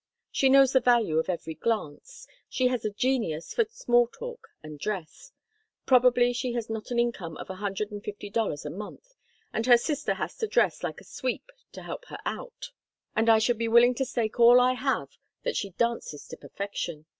She knows the value of every glance, she has a genius for small talk and dress—probably she has not an income of a hundred and fifty dollars a month, and her sister has to dress like a sweep to help her out—and I should be willing to stake all I have that she dances to perfection.